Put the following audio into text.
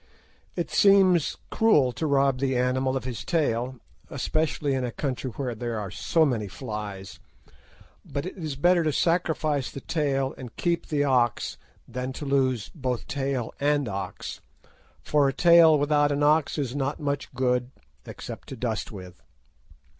It seems cruel to rob the animal of his tail, especially in a country where there are so many flies, but it is better to sacrifice the tail and keep the ox than to lose both tail and ox, for a tail without an ox is not much good, except to dust with.